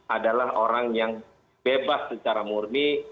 adalah orang yang bebas secara murni